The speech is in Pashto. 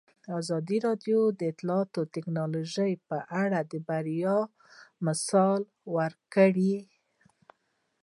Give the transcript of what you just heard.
ازادي راډیو د اطلاعاتی تکنالوژي په اړه د بریاوو مثالونه ورکړي.